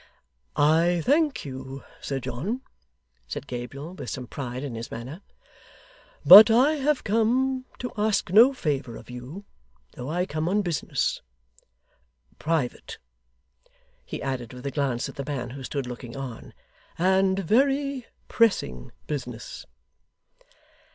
'I thank you, Sir John,' said Gabriel, with some pride in his manner, 'but I have come to ask no favour of you, though I come on business. Private,' he added, with a glance at the man who stood looking on, 'and very pressing business.